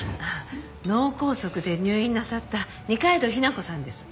脳梗塞で入院なさった二階堂日向子さんです。